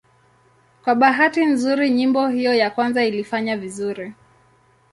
Kwa bahati nzuri nyimbo hiyo ya kwanza ilifanya vizuri.